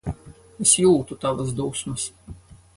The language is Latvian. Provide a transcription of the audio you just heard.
Es jūtu tavas dusmas.